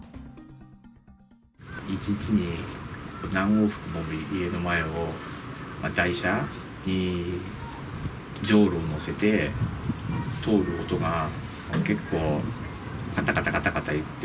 １日に何往復も家の前を台車にじょうろを載せて通る音が、結構、かたかたかたかたいって。